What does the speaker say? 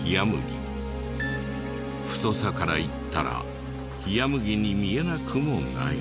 太さからいったら冷麦に見えなくもない。